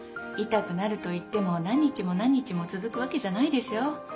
痛くなるといっても何日も何日も続くわけじゃないでしょう。